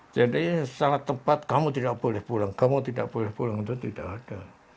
jadi salah tempat kamu tidak boleh pulang kamu tidak boleh pulang itu tidak ada